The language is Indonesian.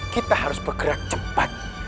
kita harus bergerak cepat